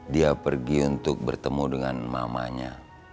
dia pergi untuk bertemu dengan mamanya